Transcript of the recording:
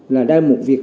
là đây là một việc